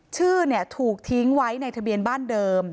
ชื่อถูกทิ้งไว้ในทะเบียนบ้านเดิม